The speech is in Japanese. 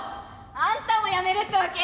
あんたもやめるってわけ？